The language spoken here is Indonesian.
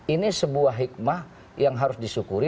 ini sebuah hikmah yang harus disyukuri